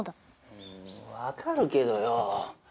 うーんわかるけどよ。